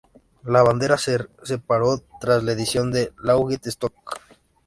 La banda se separó tras la edición de "Laughing Stock".